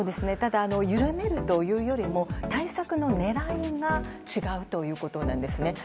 ただ、緩めるというよりも対策の狙いが違うということです。